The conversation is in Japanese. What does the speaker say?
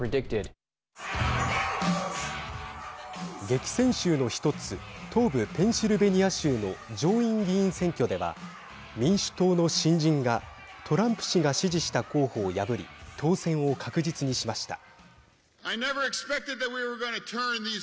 激戦州の１つ東部ペンシルベニア州の上院議員選挙では民主党の新人がトランプ氏が支持した候補を破り当選を確実にしました。